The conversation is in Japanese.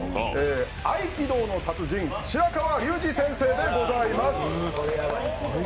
合気道の達人、白川竜次先生でございます。